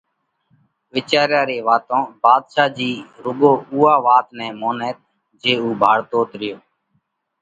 وِيچاريا ري واتون ڀاڌشا جي رُوڳو اُوئا وات نئہ مونئت جي اُو ڀاۯتوت ريو،